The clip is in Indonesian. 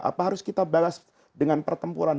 apa harus kita balas dengan pertempuran